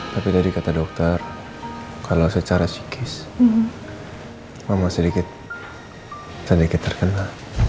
tapi dari kata dokter kalau secara psikis memang sedikit sedikit terkena